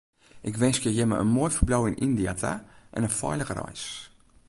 Ik winskje jimme in moai ferbliuw yn Yndia ta en in feilige reis.